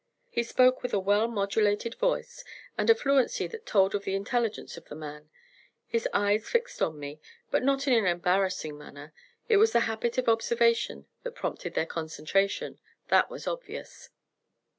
He spoke with a well modulated voice, and a fluency that told of the intelligence of the man. His eyes fixed me, but not in an embarrassing manner; it was the habit of observation that prompted their concentration that was obvious.